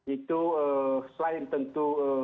itu selain tentu